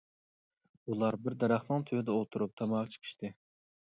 ئۇلار بىر دەرەخنىڭ تۈۋىدە ئولتۇرۇپ تاماكا چېكىشتى.